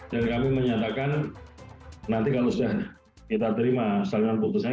dan kami menyatakan nanti kalau sudah kita terima setelah putusannya